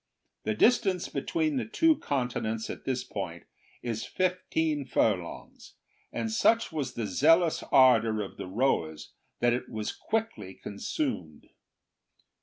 The distance between the two continents at this point is fifteen furlongs, and such was the zealous ardour of the rowers that it was quickly consumed.